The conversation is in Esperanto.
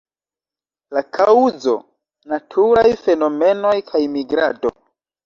La kaŭzo: naturaj fenomenoj kaj migrado.